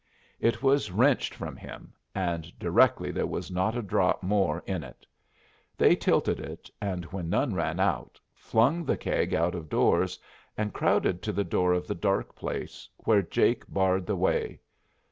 It was wrenched from him, and directly there was not a drop more in it. They tilted it, and when none ran out, flung the keg out of doors and crowded to the door of the dark place, where Jake barred the way.